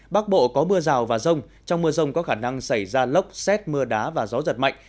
bắc bộ có mưa rào và rông trong mưa rông có khả năng xảy ra lốc xét mưa đá và gió giật mạnh